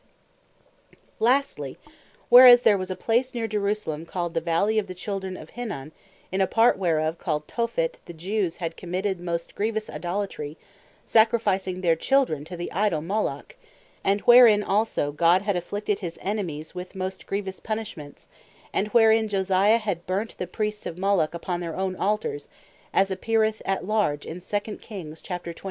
Gehenna, And Tophet Lastly, whereas there was a place neer Jerusalem, called the Valley of the Children of Hinnon; in a part whereof, called Tophet, the Jews had committed most grievous Idolatry, sacrificing their children to the Idol Moloch; and wherein also God had afflicted his enemies with most grievous punishments; and wherein Josias had burnt the Priests of Moloch upon their own Altars, as appeareth at large in the 2 of Kings chap. 23.